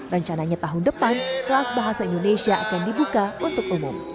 rencananya tahun depan kelas bahasa indonesia akan dibuka untuk umum